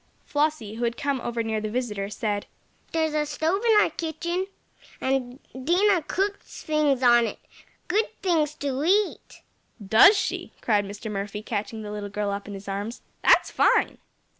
Flossie, who had come over near the visitor, said: "There's a stove in our kitchen, and Dinah cooks things on it good things to eat!" "Does she?" cried Mr. Murphy, catching the little girl up in his arms. "That's fine!"